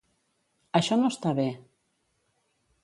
Això no està bé.